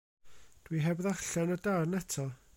Dwi heb ddarllen y darn eto.